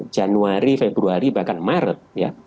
januari februari bahkan maret ya